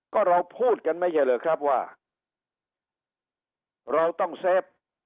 ก็เราพูดกันไม่ใช่เหรอครับว่าเราต้องเซฟ